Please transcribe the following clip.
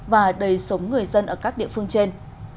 và đầy sống người dân ở các địa phương trên